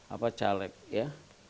apa caleg ya